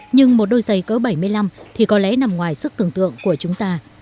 nhưng một đôi giày cỡ bảy mươi năm thì có lẽ nằm ngoài sức tưởng tượng của chúng ta